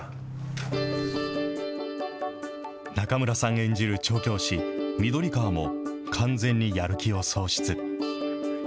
中村さん演じる調教師、緑川も完全にやる気を喪失。